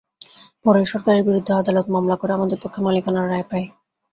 পরে সরকারের বিরুদ্ধে আদালতে মামলা করে আমাদের পক্ষে মালিকানার রায় পাই।